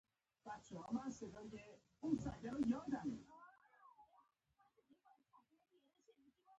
دوی له اسلام څخه مخکې په سیمه کې اوسېدل.